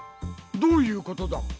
どういうことだ？